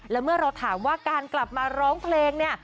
แล้วเมื่อเราถามว่าการกลับมาร้องเพลงเนี่ย